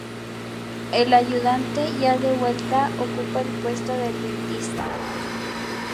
El ayudante, ya de vuelta, ocupa el puesto del dentista.